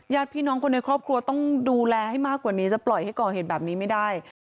ญาติพี่น้องคนในครอบครัวต้องดูแลให้มากกว่านี้จะปล่อยให้ก่อเหตุแบบนี้ไม่ได้